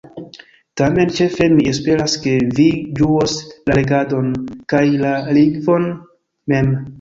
Tamen ĉefe mi esperas, ke vi ĝuos la legadon, kaj la lingvon mem.